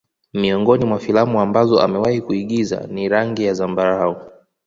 Miongoni mwa filamu ambazo amewahi kuigiza ni rangi ya zambarau